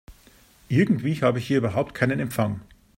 Irgendwie habe ich hier überhaupt keinen Empfang.